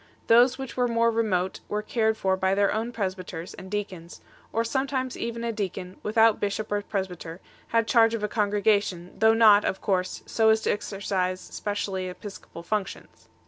Those which were more remote were cared for by their own presbyters and deacons 2 ; or sometimes even a deacon, without bishop or presbyter, had charge of a congregation, though not, of course, so as to exercise specially episcopal functions 3